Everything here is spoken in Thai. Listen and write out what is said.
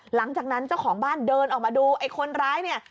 หลังจากนั้นเจ้าของบ้านเดินออกมาดูไอ้คนร้ายเนี่ย